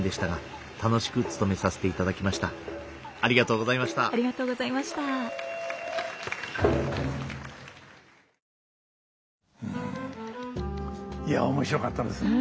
うんいや面白かったです。